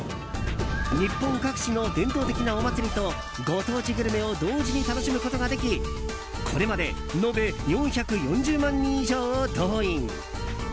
日本各地の伝統的なお祭りとご当地グルメを同時に楽しむことができこれまで延べ４４０万人以上を動員。